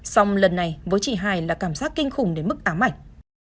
xong lần này với chị hài là cảm giác kinh khủng đến mức ám ảnh